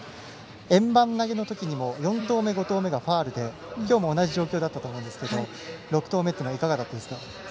円盤投げのときにも４投目、５投目がファウルで、きょうも同じ状況だったと思うんですが６投目はいかがでしたか？